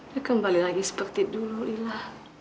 ya kembali lagi seperti dulu lila